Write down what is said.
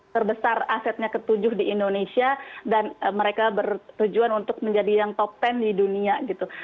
terbesar asetnya ketujuh di indonesia dan mereka bertujuan untuk menjadi yang top sepuluh di dunia gitu